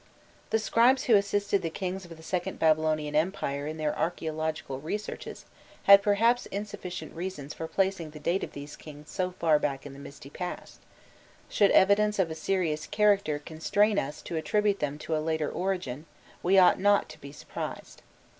The scribes who assisted the kings of the second Babylonian empire in their archaeological researches had perhaps insufficient reasons for placing the date of these kings so far back in the misty past: should evidence of a serious character A constrain us to attribute to them a later origin, we ought not to be surprised.